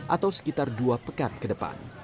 atau sekitar dua pekan ke depan